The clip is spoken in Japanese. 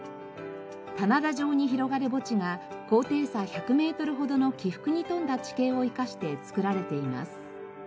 棚田状に広がる墓地が高低差１００メートルほどの起伏に富んだ地形を生かして作られています。